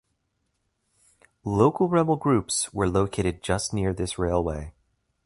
Local rebel groups were located just near this railway.